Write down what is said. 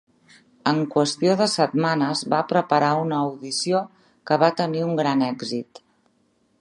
En qüestió de setmanes va preparar una audició que va tenir un gran èxit.